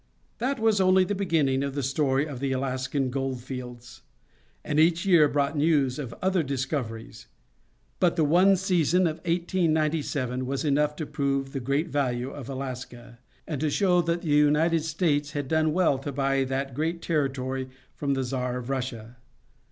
That was only the beginning of the story of the Alaskan gold fields, and each year brought news of other discoveries. But the one season of 1897 was enough to prove the great value of Alaska, and to show that the United States had done well to buy that great territory from the Czar of Russia.